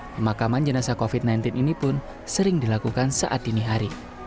pemakaman jenazah covid sembilan belas ini pun sering dilakukan saat dini hari